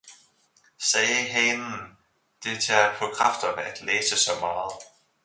« sagde Hanen, »det tager paa Kræfterne at læse saa meget!